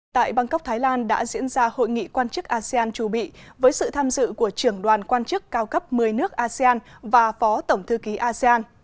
tại bangkok thái lan đã diễn ra hội nghị quan chức asean chu bị với sự tham dự của trưởng đoàn quan chức cao cấp một mươi nước asean và phó tổng thư ký asean